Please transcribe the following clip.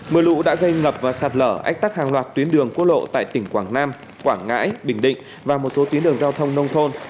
mưa lũ đã gây ngập và sạt lở ách tắc hàng loạt tuyến đường quốc lộ tại tỉnh quảng nam quảng ngãi bình định và một số tuyến đường giao thông nông thôn